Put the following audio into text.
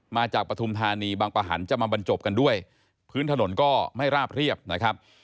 ปฐุมธานีบางประหันจะมาบรรจบกันด้วยพื้นถนนก็ไม่ราบเรียบนะครับ